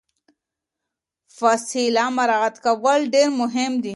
فاصله مراعات کول ډیر مهم دي.